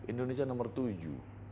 indonesia nomor tujuh